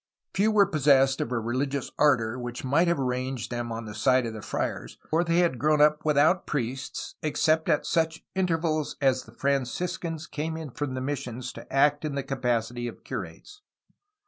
Few were possessed of a religious ardor which might have ranged them on the side of the friars, for they had grown up without priests, except at such intervals as the Franciscans came in from the missions to act in the capacity of curates.